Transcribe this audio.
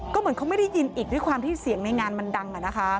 ก็เหมือนเขาไม่ได้ยินอีกด้วยความที่เสียงในงานมันดัง